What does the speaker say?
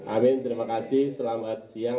amin terima kasih selamat siang